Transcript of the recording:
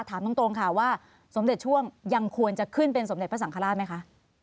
ถามตรงค่ะว่าสมเด็จช่วงยังควรจะขึ้นเป็นสมเด็จพระสังฆราชไหมคะ